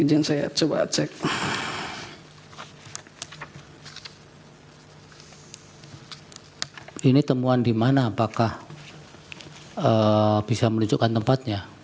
ini temuan di mana apakah bisa menunjukkan tempatnya